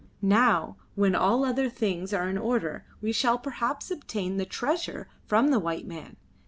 Now, when all other things are in order, we shall perhaps obtain the treasure from the white man.